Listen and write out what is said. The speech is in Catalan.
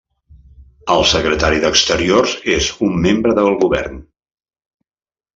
El Secretari d'Exteriors és un membre del Govern.